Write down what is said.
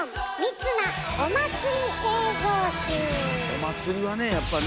お祭りはねやっぱね。